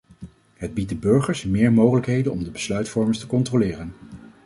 Het biedt de burgers meer mogelijkheden om de besluitvormers te controleren.